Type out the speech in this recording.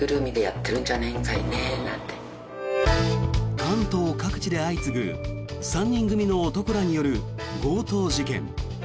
関東各地で相次ぐ３人組の男らによる強盗事件。